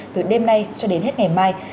từ đêm nay cho đến hết ngày mai